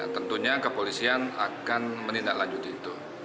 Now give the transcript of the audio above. tentunya kepolisian akan menindaklanjuti itu